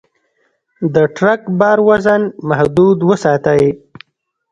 د ټرک بار وزن محدود وساتئ.